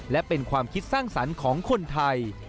และเป็นความคิดสร้างสรรค์ของคนไทย